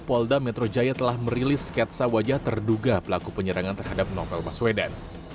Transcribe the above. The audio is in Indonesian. polda metro jaya telah merilis sketsa wajah terduga pelaku penyerangan terhadap novel baswedan